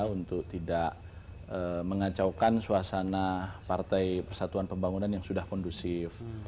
untuk tidak mengacaukan suasana partai persatuan pembangunan yang sudah kondusif